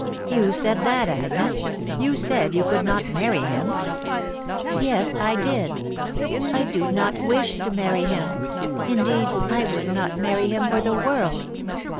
" You said that, Agnes ?..•. You said yon could not marry him ?"" Yes, I did ! I do not wish to marry him ; indeed* I would not marry him for the world."